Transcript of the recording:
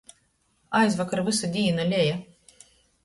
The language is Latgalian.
Aizvakar vysu dīnu leja.